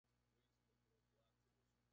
vosotras no partierais